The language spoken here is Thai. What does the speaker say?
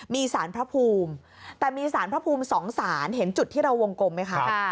มีสารพระภูมิแต่มีสารพระภูมิสองสารเห็นจุดที่เราวงกลมไหมคะ